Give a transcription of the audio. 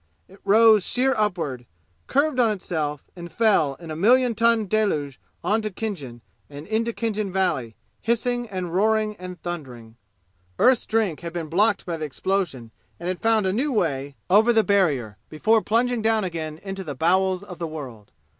It rose sheer upward, curved on itself, and fell in a million ton deluge on to Khinjan and into Khinjan valley, hissing and roaring and thundering. Earth's Drink had been blocked by the explosion and had found a new way over the barrier before plunging down again into the bowels of the world.